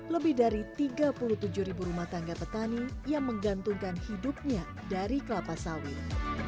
lebih dari tiga puluh tujuh ribu rumah tangga petani yang menggantungkan hidupnya dari kelapa sawit